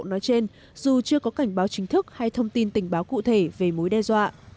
nói trên dù chưa có cảnh báo chính thức hay thông tin tình báo cụ thể về mối đe dọa